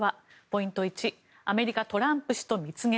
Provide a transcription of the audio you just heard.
ポイント１アメリカ、トランプ氏と蜜月。